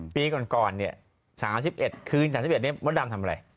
ปีก่อนเนี่ย๓๑คืน๓๑นี้มดดำทำอะไร